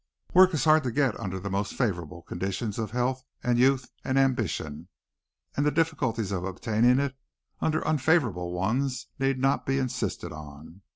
Work is hard to get under the most favorable conditions of health and youth and ambition, and the difficulties of obtaining it under unfavorable ones need not be insisted on.